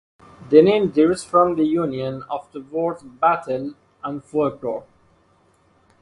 The name derives from the union of the words 'battle' and 'folklore'.